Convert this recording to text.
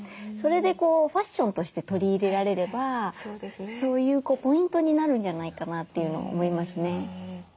それでファッションとして取り入れられればそういうポイントになるんじゃないかなというのを思いますね。